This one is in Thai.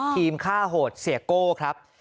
ฆ่าโหดเสียโก้ครับ